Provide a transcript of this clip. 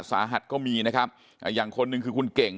สาหัสก็มีนะครับอ่าอย่างคนหนึ่งคือคุณเก่ง